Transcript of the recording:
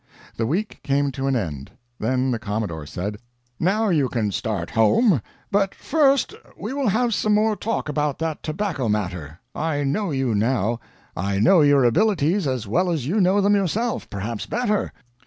The week came to an end. Then the Commodore said: "Now you can start home. But first we will have some more talk about that tobacco matter. I know you now. I know your abilities as well as you know them yourself perhaps better.